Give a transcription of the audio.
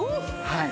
はい。